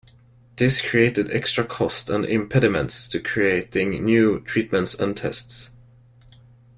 This created extra costs and impediments to creating new treatments and tests.